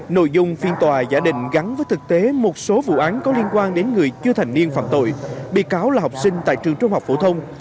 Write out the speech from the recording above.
nội dung phiên tòa giả định gắn với thực tế một số vụ án có liên quan đến người chưa thành niên phạm tội bị cáo là học sinh tại trường trung học phổ thông